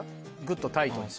グッとタイトに。